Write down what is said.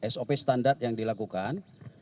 sop standar yang dilakukan